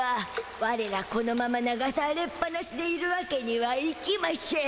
ワレらこのまま流されっぱなしでいるわけにはいきましぇん。